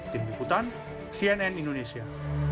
tim liputan cnn indonesia